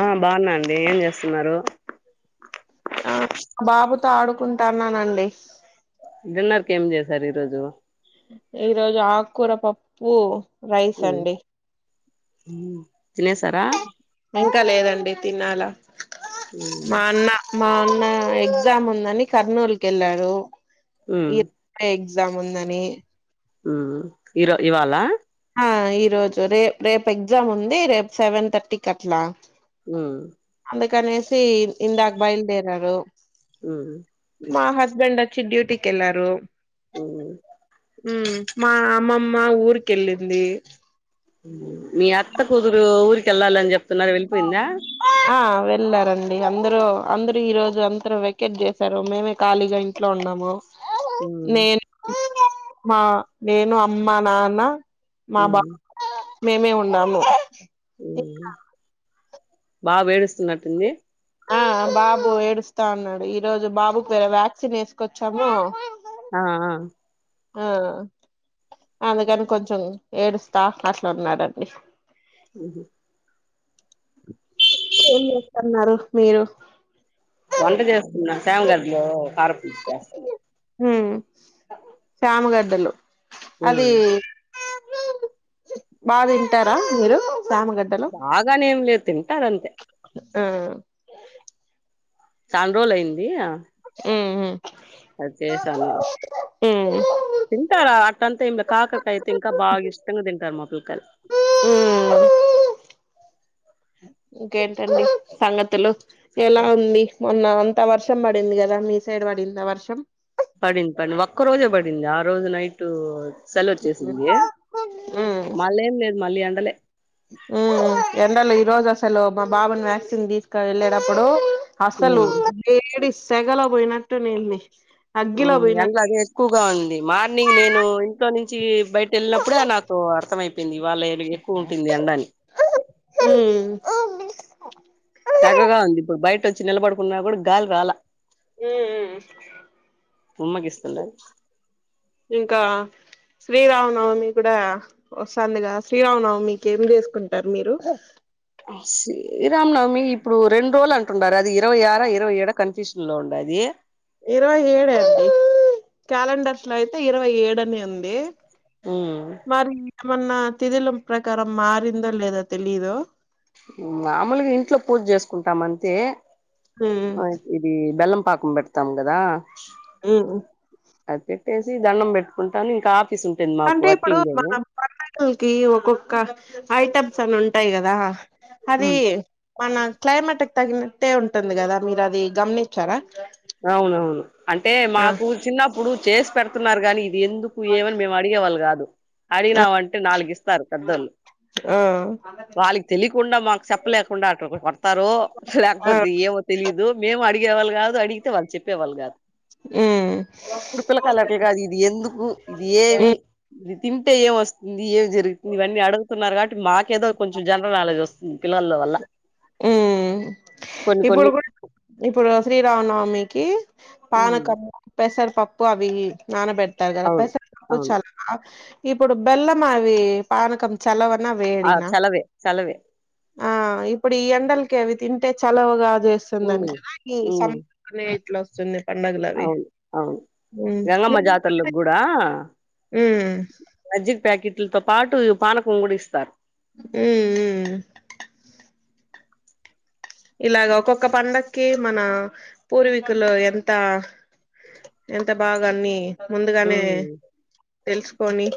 ఆ బాగున్నా ఏం చేస్తున్నారు తో ఆడుకుంటన్నానండి డిన్నర్కు ఏం చేశారు ఈ రోజు ఈరోజు ఆకూర పప్పు రైస్ అండి ఉమ్ తినేసారా ఇంకా లేదండి తినాలా ఉమ్ మా అన్న మా అన్న ఎగ్జామ్ ఉందని కర్నూలు కెళ్ళారు ఉమ్ ఇర్ పా ఎగ్స గ్జామ్ ఉందని ఉ ఇరో ఇవాళా ఆ ఈ రోజు రే రేపు ఎగ్జామ్ ఉంది రేపు సెవెన్ థర్టీకి అట్లా ఉ అందుకనేసి ఇందాక బయలుదేరారు ఉ మా హస్బెండ్ అచ్చి డ్యూటీ కెల్లారు ఉ ఉ మా అమ్మమ్మ ఊరికి కెళ్లింది ఉ మీ అత్త కూతురు ఊరికి కేళ్ళాలని చెప్తున్నారు వెళ్ళిపోయిందా అందరు అందరు ఈ రోజు అంతరు వెకెట్ చేశారు మేమే ఖాళీగా ఇంట్లో ఉన్నాము ఉమ్ నేను మా నేను అమ్మ నాన్న అ మా వు బా మేమే ఉండాము బాబు ఏడుస్తున్నట్టుంది ఆ బాబు ఏడుస్తా ఉన్నాడు ఈ రోజు బాబు పేర వ్యాక్సిన్ వేసుకొచ్చాము ఆ ఆ అందుకని కొంచెం ఏడుస్తా అట్లా ఉన్నడండి ఉహు ఏం చేస్తన్నారు మీరు వంట చేస్తున్నా చేమగడ్డలు కారపూస చేస్తు ఉమ్ శ్యామగడ్డలు అది ఉమ్ బా తింటారా మీరు శామగడ్డలు బాగానేమ్లే తింటనంతే ఊ చాల్ రోజులైయింది. ఆ ఉ హ్మ్ చేసాను హ్మ్ తింటారా అట్టంతా ఏం కాకరకాయ అయితే ఇంకా బాగా ఇష్టంగా తింటారు. మా పిల్లకాయలు ఉమ్ ఇంకేంటండి సంగతులు ఎలా ఉంది. మొన్న అంత వర్షం పడింది. కదా మీ సైడ్ పడిందా వర్షం పడింది పడింది. ఒక్క రోజే పడింది. ఆ రోజు నైట్ సెలవు వచ్చేసింది ఉమ్ ఉమ్ మళ్ళీ ఏం లేదు మళ్ళీ ఎండలే ఉమ్ ఎండలు ఈ రోజు అసల్ అసలు మా బాబును వ్యాక్సిన్ తీసుకొని వెళ్ళేటప్పుడు ఉమ్ అసలు లేడిస్ తేగలో పోయినట్టు నెల్లీ నీ మ్ ఎండలు అదే ఎక్కువగా ఉంది. మార్నింగ్ నేను ఇంట్లో నుంచి బయట వెళ్ళినప్పుడే నాకు అర్థంమైపెంది. ఈ వాళ్ళ నీ ఉమ్ చక్కగా ఉంది. ఇప్పుడు బయట వచ్చి నిలబడుకున్నా కూడా గాలి రాలే ఉమ్ మ్ ఉమ్మగీస్తున్నారు. ఇంకా శ్రీరామనవమి కూడా వస్తందిగా శ్రీరామనవమికి ఏం చేసుకుంటారు మీరు శ్రీ రామ్నవమి ఇప్పుడు రెండు రోజులు అంటుంటారు. అది ఇరవై ఆర ఇరవై ఏడా కన్ఫ్యూషన్ లో ఉండాది. ఇరవై ఏడే అండి క్యాలెండర్స్ లో అయితే ఇరవై ఏడుని ఉంది. ఉమ్ మరి ఇగ మోన్నా తిథీలం ప్రకారం మారిందో లేదో తెలిదు. మామూలుగా ఇంట్లో పూజ చేసుకుంటాము అంతే అయితే ఇది బెల్లం పాకం పెడతాం గదా. మ్ ఊ అది పెట్టేసి దండం పెట్టుకుంటాను. ఇంకా ఆపే అంటే ఇప్పుడు మనం పల్లకి ఒక్కొక్క ఐటమ్ సను ఉంటాయి. కదా అది మన క్లైమేటక్ తగినట్టే ఉంటుంది. కదా మీరు అది గమనించారా? అవునవును. అంటే ఆ మాకు చిన్నప్పుడు చేసి పెడుతున్నారు. కానీ ఇది ఎందుకు ఏమని మేము అడిగేవాళ్ళు కాదు. ఆ అడిగినామంటే నాలుగు ఇస్త చెప్తారు పెద్దోళ్ళు ఆ వాళ్ళకి తెలియకుండా మాకు చెప్పలేకుండా అట్టు కోడతారు ఆ లేకపోతే ఏమో తెలిదు మేము అడిగి ఇగవల్గా అయితే వాళ్ళు చెప్పేవాళ్ళు గాదు. ఉమ్ కుడు పిల్లకాయలు అట్లా గాదు ఇది ఎందుకు ఇది ఉ ఏవి ఇ తింటే ఏం వస్తుంది ఏం జరుగుతుంది ఇవన్నీ అడుగుతున్నారు కాబట్టి మాకేదో కొంచెం జనరల్ నాలెడ్జ్ వస్తుంది పిల్లల వల్ల ఉ కొన్ని కొన్ని ఇప్పుడు కూడా ఇప్పుడు శ్రీరామనవమి కి హ్మ్ పనకం పెసర పప్పు ప్పు అవి నాన బెట్ తదా అవును పస కో అవును చాల్ నా ఇప్పుడు బెల్లమావి పానకం చలవ ఆ చలవే చలవే ఆ ఇ ఇప్పుడు ఈ ఎండలకే అవి తింటే చలవుగాత్ చేస్తుందని హ్మ్ ఈ సం హ్మ్ నే ఇట్లా వస్తుందే అవును అవును గంగమ్మ జాతరలకు కూడా ఉ టిల్ పాటు పానకం గూడా ఇస్తారు ఏ ఇలాగ ఒక్కొక్క పండక్కి మన పూర్వీకులు ఎంత ఎంత బాగా అన్ని ముందుగానే హ్మ్ తెలుసు పోని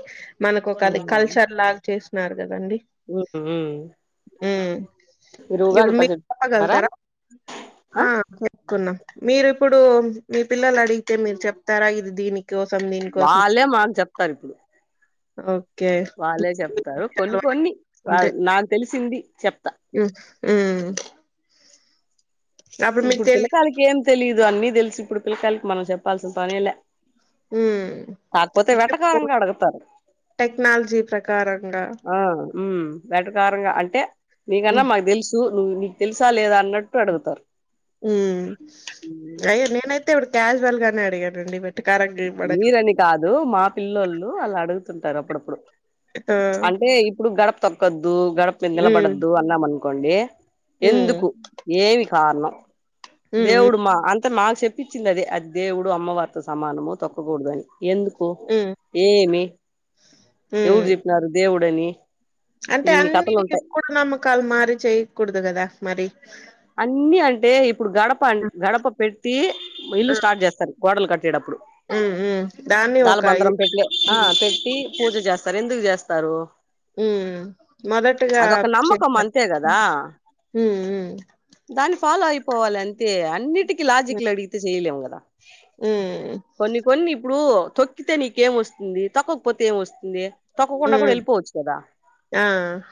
మనకు ఒక అది కల్చర్ లాగా చేసు నారు ఉహ రుగాలు పజిబ్ వాళ్ళు జలుతారా ఆ కున్నాం మీరు ఇప్పుడు మీ పిల్లలు అడిగితే మీరు చెప్తారా ఇది దీని కోసం వాళ్ళే మాకు చెప్తారు ఇప్పుడు అఓ వాళ్ళే చెప్తారు కొన్ని కొన్ని వాల్ నాకు తెలిసింది చెప్ ఉ ఉమ్ అప్పుడు మీకు ఇప్పుడు తెలి పిల్లకాలికి ఏం తెలిదు ఇదో అన్నీ తెలిసు ఇప్పుడు పిల్లకాయలకు మనం చెప్పాల్సిన పనేలే ఉమ్ కాకపోతే వెటకారంగా అడుగుతారు టెక్నాలజీ ప్రకారంగా ఆ ఉ వెటకారంగా అంటే నీకన్నా ఉమ్ మాకు తెలుసు నువ్వు నీకు తెలుసా లేదా అన్నట్టు అడుగుతారు ఉ హ్మ్. అయి నేనైతే ఇవడు క్యాల్ గానే అడిగండి మీరని కాదు మా పిల్లళు అలా అడుగు అంటారు అప్పుడప్పుడు ఆ అంటే ఇప్పుడు గడప తక గడప ఉమ్ నెలబడద్దు అన్నము అనము కోండి ఉమ్ ఎందుకు ఏమి కారణం ఉమ్ దేవుడుమా అంత అ మాకు చెప్పించింది అది అది దేవుడు అమ్మవారితో సమానం మో తొక్కకూడదని ఎందుకు ఉమ్ ఏమి ఉమ్ ఎవరు చెప్పినారు దేవుడు డని అంటే అన్ని ముఢనమ్మకాలు మారి చేయకూడదు కదా మరి అన్ని అంటే ఇప్పుడు గడప అ గడప పెట్టి ఇల్లు స్టార్ట్ చేస్తారు గోడలు కట్టేటప్పుడు ఉమ్ ఉమ్ దాన్ని ఒక ఇది దాలబందరం పెట్లే ఆ పెట్టి పూజ చేస్తారు ఎందుకు చేస్తారు స్తారు ఉ మొదటిగా నమ్మకం చేస్తారు దాని ఫాలో అయిపోవాలి అంటే అన్నిటికి లాజిక్లు అడిగితే చేయలేము కదా ఉమ్ ఉమ్ కొన్ని కొన్ని ఇప్పుడు తొక్కితే నీకేం వస్తుంది తొక్కకపోతే ఏమ వస్తుంది తక్కకుండా కూడా ఉమ్ వెళ్ళిపోవచ్చు కదా ఆ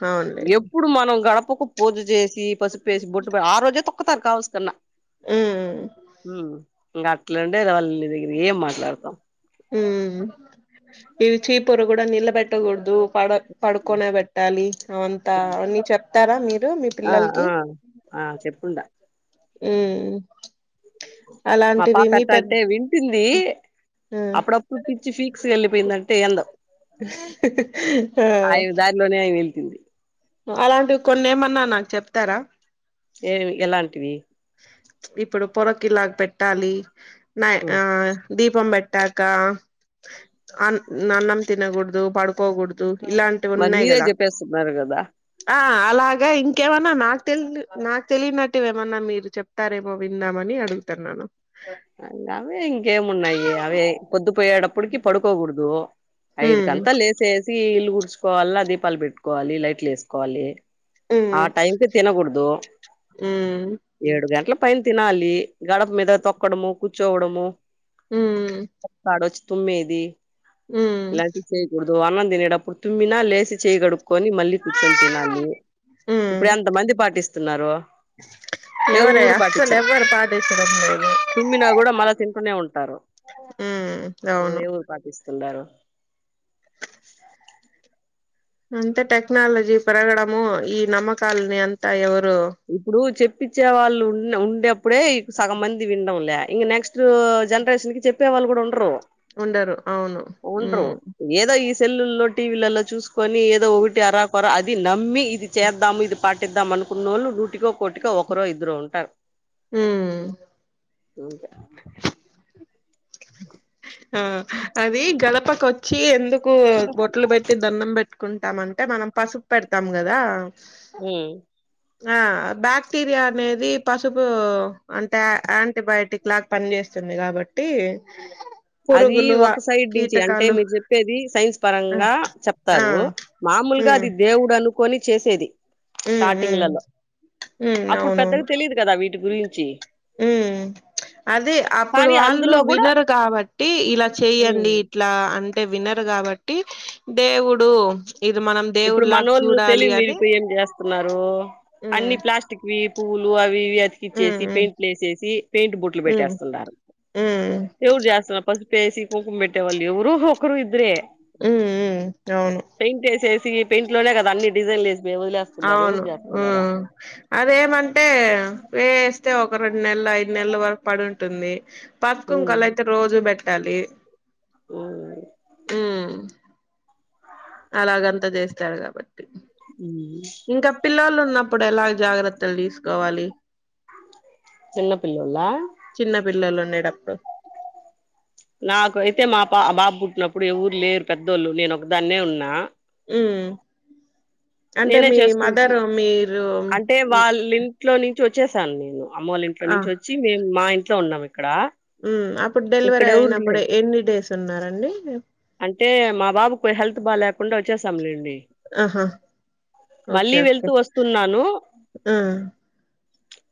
అవునులే ఎప్పుడు మనం గడప పప్పుకు పూజ చేసి చేసి బట్టు ఆ రోజే తొక్కతారు కావస్కరణ ఉమ్ హ ఇంకా అట్లాండే వాళ్ళ నీ దగ్గర ఏం మాట్లాడతాం ఉ ఇవి చీప వర కూడా నిల్ బెట్టగూడదు పడ పడుకునే పెట్టాలి అవంతా అవన్నీ చె తారా మీ ఆ పిల్లలకి ఆ ఆ చెప్పుండా హుమ్ మా పాప ఎట్ అంటే ఉంటుంది హ్మ్. అప్పుడప్పుడు పిచ్చి ఫీ సు వెళ్లిపోయిందంటే ఎందో హ్ తింది అలాంటివి కొన్ని ఏమన్నా నాక్ చెప్తారా ఏవి ఎలాటివి ఇప్పుడు పొరక్ ఇలాగ్ పెట్టాలి నయీ ఆ ఉమ్ దీపం పెట్టాక అన్ నన్నం తినకూడదు పడుకోకూడదు ఇలాంటివి మరి ఉన్నాయి మీరే కదా చెప్పేస్తున్నారు కదా ఆ అలాగా ఇంకేమన్నా నాకు తెలి నాకు తెలియనట్టువేమన్నా మీర్ మీర్ చెప్తారేమో విందామని అడుగుతున్నాన్ అ అవే ఇంకేమున్నాయి అవే పొద్ పోయడప్పుటికి పడుకోకూడదు ఐదు ఉమ్ కంత లేసే స్ తీ ఇల్లు గుడుచుకోవాలా, దీపాలు పెట్టుకోవాలి లైట్లు వేసుకోవాలి. ఉమ్ ఆ టైమ్ కి తినకూడదు ఉమ్ ఏడు గంట్లు పైన్ తినాలి గడప మీద తొక్ తోక్కడము కూర్చోవడము ఉమ్ క్తాడో చ్ తుమ్మేది ఉమ్ ఇలాంటి చేయకూడద్ తు అన్నం తినేటప్పుడు తుమ్మినా లేసి చెయ్యిగడు కొని మళ్ళీ కూర్చొని తినాలి, ఉమ్ ఇప్పుడు ఎంత మంది పాటిస్తున్నారూ ఎవరే ఎవ్వురు అస్సలు పాటించరు. ఎవ్వరు పాటించడం లేదు తుమ్మినా కూడా మళ్ళా తింటూనే ఉంటారు, ఉమ్ మరి అవును ఎవురు పాటిస్ స్తుండార్ అంతే టెక్నాలజీ పేరగడము ఈ నమ్మకాలని అంతా ఎవ ఇప్పుడూ చెప్ పిచ్చే వాళ్ళు ఉన్ ఉండే ప్పుడే ఇక్ సగం మంది విన్ డం లే ఇగ నెక్స్ట్ జెనరేషన్ క్ చెప్పే వాళ్ళు కూడా ఉండరు ఉండరు అవును హు ఉండరు ఏదో ఈ సెల్లుల్లో టీవీలలో చూసుకొని ఏదో ఒకటి అరా కొరా అది నమ్మి, ఇది చేద్దాము ఇది పాటిద్దాం అనుకునోళ్ళు. నూటికో కోటికో ఒకరో ఇద్దరో ఉంటారు హ అంతే ఆ అది గడపకొచ్చి ఎందుక్ కు బొట్లు పెట్టి దండం పెట్టి కుంటామంటే మనం పసుపు పెడతాం కదా హ్మ్ ఆ బాక్టీరియా అనేది పసుపు అంటే యాంటీబయోటిక్ లాగా పనిచేస్తుంది కాబట్టి అది పురుగులు ఆ ఒక సైడ్ నుంచి అంటే కీటకాలు మీరు చెప్పేది సైన్స్ పరంగా ఆ చెప్తారు, మామూలుగా అది దేవుడు అనుకొని చేసేది హ్మ్ హ్మ్ స్టార్టింగ్‌లలో. మ్ అప్పుడు పెద్దగా అవునవును తెలీదు కదా వీటి గురించి. అదే అప్పుడు కానీ వాళ్ళు అందులో గూడా వినరు కాబట్ట్ ఈ ఇలా చేయండి హ్మ్. ఇట్లా అంటే వినర్ కాబట్టి దేవుడు ఇది మనం ఇప్పుడు దేవుడిలాగా మనోళ్ళు చూడాలి తెలివి మీరీ అని పోయి ఏం చేస్త న్నరు అన్ని హ్మ్. ప్లాస్టిక్ వి పూలు అవి హ్మ్. అతికిచ్చేసి హ్మ్. పెయింట్లు వేసేసి పెయింట్ బోట్లు హ్మ్. పెట్టేస్తున్నారు హ్మ్. ఎవడు చేస్తున్నాడు పసు పేసి కుంకు బెట్టే వళ్లేవరు ఒక్కరు ఇద్దరే హ్మ్. హ్మ్. అవును. పేయింట్ ఏసేసి దింట్లోనె కద అన్ని డిజైన్లేసి అవును హ్మ్ అదేమంటే వేస్తే ఒక రెండు నెలల ఐదు నెలల వరకు పడింటుంది హ్మ్. పసుకుంకాలైతే అయితే రోజు పెటు తాల్లే హ్మ్.. అలాగంత చేస్తారు కాబట్టి హ్మ్. ఇంకా పిల్లోలు ఉన్నప్పుడు ఎలా జాగ్రత్త త్తలు తీసుకోవాలి చిన్న పిల్లోలా నీడప్ నాకు అయితే మా పా బాబుు ఉన్నప్పుడు ఎవర్లేరు పెద్దోళ్ళు నేను ఒకదాన్నే ఉన్నా హ్మ్ నేనే చేసుకుంటున్న అంటే వాళ్ళ ఇంట్లోని చు వచ్చేసాన్ నేను అమ్మోల్ ఇంట్లో ఆ నుంచి వచ్చి. మేము మా ఇన్ ట్లో ఉన్నామాండ్ ఇక్కడా. మ్మ్ అప్పుడు డెలివరీ ఇక్కడేవురు అయినప్పుడు లేర్. ఎన్ని డేస్ ఉన్నారండి అంటే మా బాబు కొన్ హెల్త్ బాలేక్ కుండా వచ్చేసంలేండి. ఆహా ఓకే మళ్ళీ ఓకే వెళ్తూ వస్తున్నాను. మ్మ్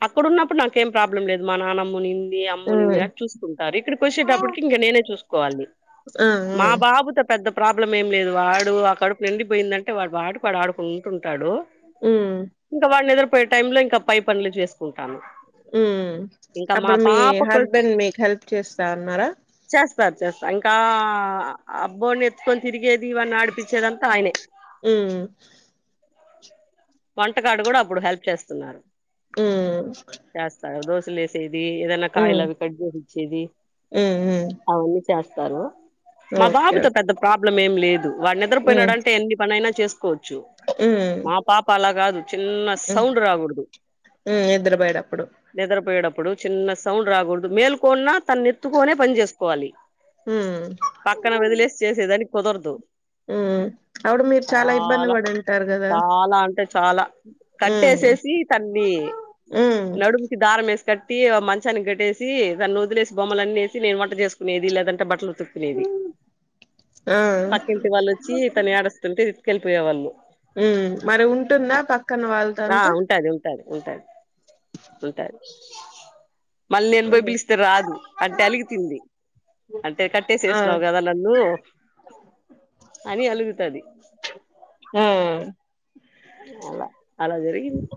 అక్కడున్నప్పుడు నాకేం ప్రాబ్లం లేదు. మా నానమ్మునిం అమ్మునింది మ్మ్ కట్ చూకుంటారు. ఇక్కడికోచ్చేటప్పటికి ఇంగ నేనే చూసుకోవాలి. ఆ మా మ్మ్ బాబుతో పెద్ద ప్రాబ్లం ఏం లేదు. వాడు ఆ కడుపు నిండిపోయిందంటే వాడు పటిక్ వాడు ఆడు కుంటుంటాడు మ్మ్ ఇంక వడ్లేనప్ పోయే టైంలో ఇంకా పై పన్లు చేసుకుం ఉహ్మ్ అప్పుడు మీ పాపకు హస్బెండ్ మీక్ హెల్ప్ చేస్తా అన్నారా. చేస్తారు ఇంకా ఆ అబ్బోని ఎత్తుకొని తిరిగేద్ దీవన్ని ఆడిపించేదంతా ఆయనే మ్మ్ వంటకాడ గూడా అప్పుడు హెల్ప్ చేస్తున్నారు. మ్మ్ చేస్తాడు ఒగ్గోస్ లేస్ ఏడుస్ ఏదన్న మ్మ్ కాయలావి కట్ చేసి ఇచ్చేది. మ్మ్ మ్మ్ అవును చేస్తారు మా ఓకే బాబుతో ఓకే పెద్ద ప్రాబ్ బ్లం ఏం లేదు వాడు మ్మ్ నిద్రపోయినాడంటే. ఎన్ని పనైనా చేస్ కొచ్చు. మ్మ్ మా పాప అలా గాదు. చిన్న మ్మ్ సౌండ్ రాగూడుదు మ్మ్ నిద్రపోయేటప్పుడు నిద్రపోయేడప్ ప్పుడు చిన్న సౌండ్ రాగూడుదు. మేల్కోన్న తన్ ఎత్తుకునే పని చేసుకోవాలి. మ్మ్ పక్కన వదిలేసి చేసేదానిక్ కుదర్దు ఉమ్ అప్పుడ్ మీరు చాలా ఇబ్బంది. పడే చాలా అంటే చాలా. మ్మ్ కట్టేసేసి తన్ని ఉమ్ నడుముకి దారం మెస్ కట్టి మంచాన్నిగట్టేసి దాన్ని వదిలేసి బొమ్మలన్నేసి. నేను వంట చేసుకునేది, లేదంటే బట్టల్ ఉ తుకునేది. ఆ పక్కింటి వాళ్లొచ్చి తను యాడుస్తుంటే. కేళ్లిపోయేవాళ్ళు ఉ మరి ఉంటుందా పక్కన వాళ్ళతో ఆ అంతా ఉంటాది ఉంటాది ఉంటాది ఉంటాది మళ్ళీ నేను పోయి ఉమ్, పిలిస్తే రాదు అంటే అలుగుతుంది అంటే ఆ కట్టేసేస్తున్నావు కదా నన్ను అని అలుగుతది ఆ అలా అలా జరిగింది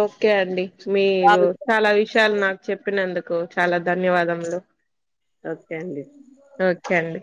ఓకే అండి మీరు బాగా చాలా విషయాలు నాకు చెప్పినందుక్ కు చాలా ధన్యవాదములు ఓకే అండి ఓకే అండి